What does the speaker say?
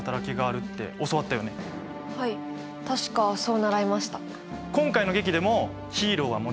はい確かそう習いました。